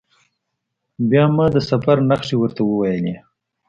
بیا ما د سفر نښې ورته وویلي.